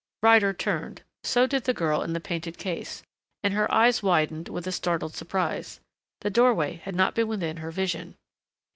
Ryder turned, so did the girl in the painted case, and her eyes widened with a startled surprise. The doorway had not been within her vision.